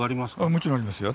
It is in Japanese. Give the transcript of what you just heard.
もちろんありますよ。